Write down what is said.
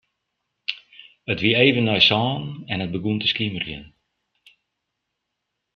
It wie even nei sânen en it begûn te skimerjen.